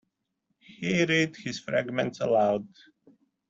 He read his fragments aloud.